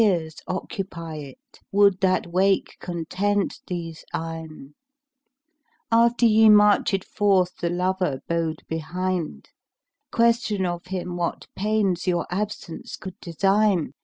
* Tears occupy it would that wake content these eyne! After ye marched forth the lover 'bode behind; * Question of him what pains your absence could design!